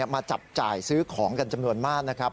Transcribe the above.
มาจับจ่ายซื้อของกันจำนวนมากนะครับ